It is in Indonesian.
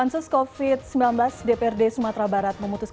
selamat malam mbak